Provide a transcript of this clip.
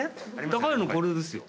高いのこれですよ。